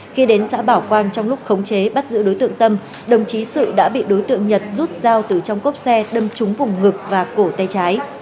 khi đến xã bảo quang trong lúc khống chế bắt giữ đối tượng tâm đồng chí sự đã bị đối tượng nhật rút dao từ trong cốp xe đâm trúng vùng ngực và cổ tay trái